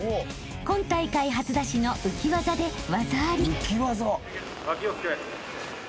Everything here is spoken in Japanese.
［今大会初出しの浮技で技あり］